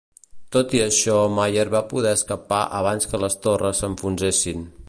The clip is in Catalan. Tot i això, Mayer va poder escapar abans que les torres s'enfonsessin.